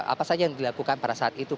apa saja yang dilakukan pada saat itu